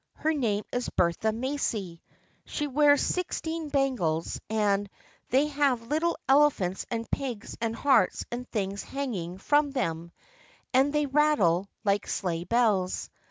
Her name is Bertha Macy. She wears sixteen bangles and they have little elephants and pigs and hearts and things hanging from them and they rattle like sleigh bells.